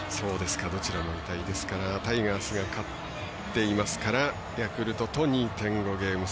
ですからタイガースが勝っていますからヤクルトと２．５ゲーム差